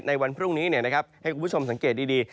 ในวันพรุ่งนี้ให้คุณผู้ชมสังเกตดี